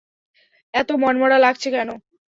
এত মনমরা লাগছে কেন?